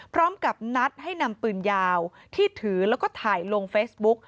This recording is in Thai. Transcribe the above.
พร้อมกับนัดให้นำปืนยาวที่ถือแล้วก็ถ่ายลงเฟซบุ๊ก